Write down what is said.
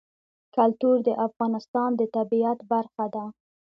کلتور د افغانستان د طبیعت برخه ده.